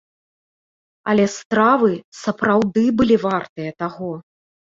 Але стравы сапраўды былі вартыя таго.